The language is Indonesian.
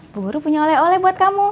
ibu guru punya oleh oleh buat kamu